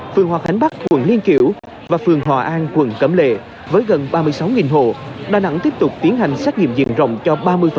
phường hòa khánh bắc quận liên kiểu và phường hòa an quận cẩm lệ với gần ba mươi sáu hộ đà nẵng tiếp tục tiến hành xét nghiệm diện rộng cho ba mươi